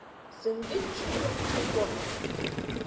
Зынгьы дҽыжәланы дҽырбон.